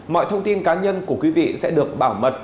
mọi thông tin cá nhân của quý vị sẽ được bảo mật